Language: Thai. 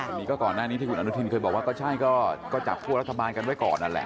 อันนี้ก็ก่อนหน้านี้ที่คุณอนุทินเคยบอกว่าก็ใช่ก็จับคั่วรัฐบาลกันไว้ก่อนนั่นแหละ